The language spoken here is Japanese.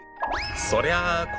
そりゃあ心